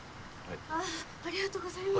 ありがとうございます。